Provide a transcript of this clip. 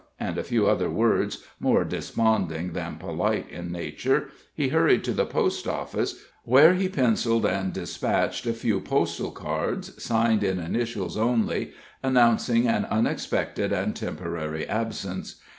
and a few other words more desponding than polite in nature, he hurried to the Post Office, where he penciled and dispatched a few postal cards, signed in initials only, announcing an unexpected and temporary absence.